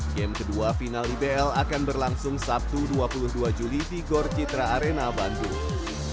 game kedua final ibl akan berlangsung sabtu dua puluh dua juli di gor citra arena bandung